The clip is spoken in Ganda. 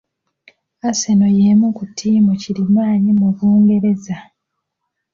Arsenal y'emu ku ttiimu kirimaanyi mu Bungereza